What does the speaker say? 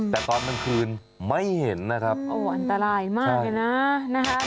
แต่ตอนกลางคืนไม่เห็นนะครับโอ้อันตรายมากเลยนะนะฮะ